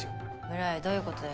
村井どういうことだよ。